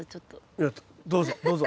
いやどうぞどうぞ。